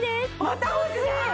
また欲しい！